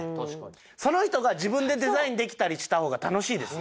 その人が自分でデザインできたりした方が楽しいですよ。